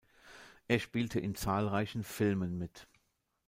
Er spielte in zahlreichen Filmen mit.